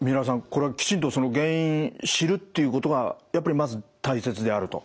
これはきちんとその原因知るっていうことがやっぱりまず大切であると。